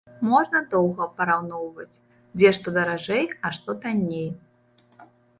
Можна доўга параўноўваць, дзе што даражэй, а што танней.